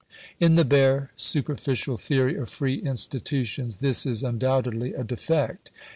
In the bare superficial theory of free institutions this is undoubtedly a defect.